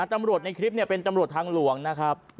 ในคลิปเป็นตำรวจทางหลวงนะครับ